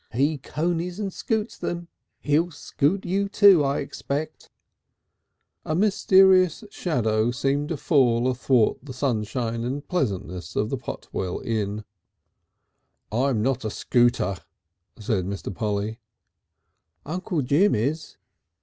"He comes and scoots them. He'll scoot you too, I expect." A mysterious shadow seemed to fall athwart the sunshine and pleasantness of the Potwell Inn. "I'm not a scooter," said Mr. Polly. "Uncle Jim is."